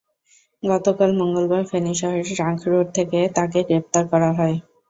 গতকাল মঙ্গলবার ফেনী শহরের ট্রাংক রোড থেকে তাঁকে গ্রেপ্তার করা হয়।